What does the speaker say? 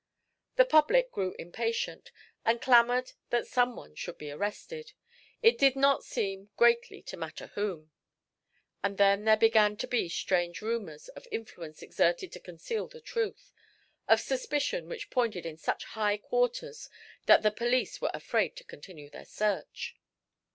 The public grew impatient, and clamored that some one should be arrested; it did not seem greatly to matter whom. And then there began to be strange rumors of influence exerted to conceal the truth, of suspicion which pointed in such high quarters, that the police were afraid to continue their search.